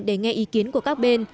để nghe ý kiến của các bên